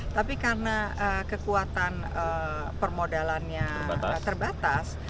tapi karena kekuatan permodalannya terbatas